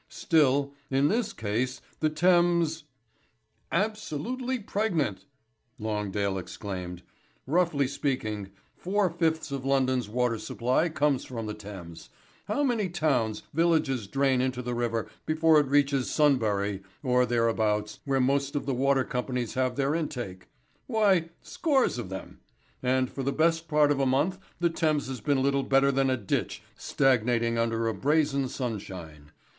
Still, in this case, the Thames " "Absolutely pregnant," Longdale exclaimed. "Roughly speaking, four fifths of London's water supply comes from the Thames. How many towns, villages drain into the river before it reaches Sunbury or thereabouts where most of the water companies have their intake? Why, scores of them. And for the best part of a month the Thames has been little better than a ditch stagnating under a brazen sunshine.